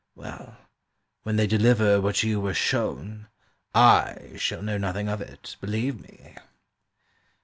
Well, when they deliver what you were shown I shall know nothing of it, believe me!"